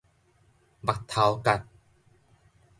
目頭結